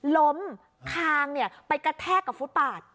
คางไปกระแทกกับฟุตบาท